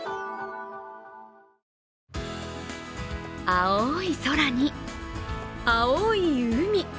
青い空に、青い海。